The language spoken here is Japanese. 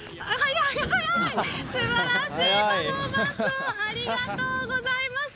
素晴らしいパフォーマンスをありがとうございました。